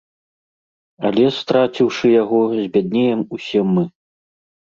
Але, страціўшы яго, збяднеем усе мы.